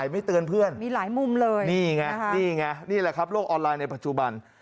ไม่เตือนเพื่อนมีหลายมุมเลยนี่ไงนี่ไงนี่แหละครับโลกออนไลน์ในปัจจุบัน